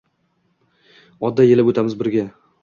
Otda yelib oʻtamiz birga